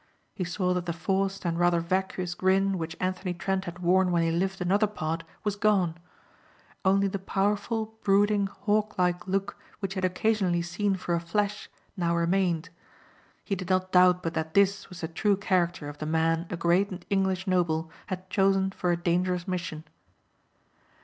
He saw that the forced and rather vacuous grin which Anthony Trent had worn when he lived another part was gone. Only the powerful, brooding, hawklike look which he had occasionally seen for a flash now remained. He did not doubt but that this was the true character of the man a great English noble had chosen for a dangerous mission.